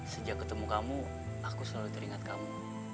sejak ketemu kamu aku selalu teringat kamu